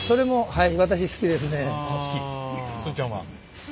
はい。